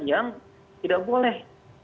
yang tidak boleh